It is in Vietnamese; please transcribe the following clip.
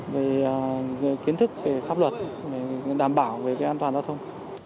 về kiến thức về pháp luật đảm bảo về an toàn giao thông